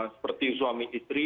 seperti suami istri